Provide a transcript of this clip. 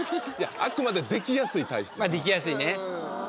あくまでできやすい体質できやすいね